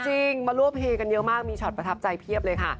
จริงมาร่วมเฮกันเยอะมากมีช็อตประทับใจเพียบเลยค่ะ